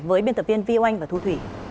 với biên tập viên vy oanh và thu thủy